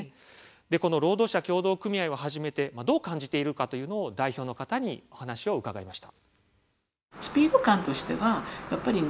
この労働者協同組合を始めてどう感じているかということを代表の方にお話を聞きました。